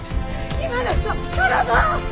今の人泥棒！